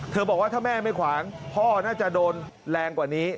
บอกว่าถ้าแม่ไม่ขวางพ่อน่าจะโดนแรงกว่านี้